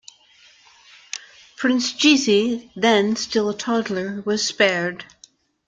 Prince Jizi, then still a toddler, was spared.